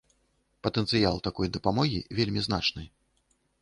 Патэнцыял такой дапамогі вельмі значны.